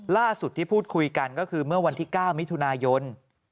ล่าสุดที่พูดคุยกันก็คือเมื่อวันที่๙มิถุนายน